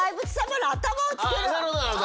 なるほどなるほど。